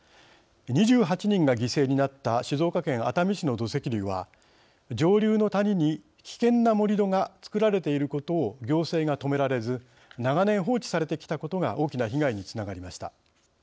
２８人が犠牲になった静岡県熱海市の土石流は上流の谷に危険な盛り土がつくられていることを行政が止められず長年、放置されてきたことが大きな被害につながりました。